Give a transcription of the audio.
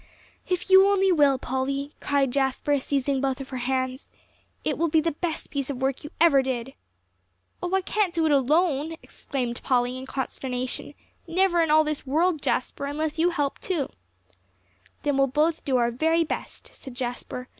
"If you only will, Polly," cried Jasper, seizing both of her hands, "it will be the best piece of work you ever did." "Oh, I can't do it alone," exclaimed Polly, in consternation. "Never in all this world, Jasper, unless you help too." "Then we'll both try our very best," said Jasper.